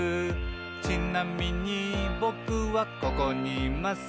「ちなみにぼくはここにいます」